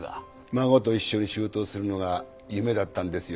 孫と一緒に仕事をするのが夢だったんですよ。